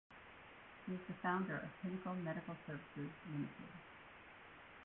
She is the founder of Pinnacle Medical Services Limited.